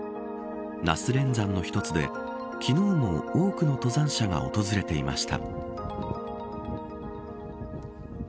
那須連山の一つで昨日も多くの登山者が訪れていました。